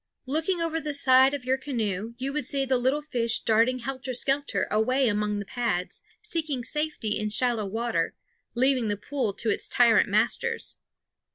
Looking over the side of your canoe you would see the little fish darting helter skelter away among the pads, seeking safety in shallow water, leaving the pool to its tyrant masters.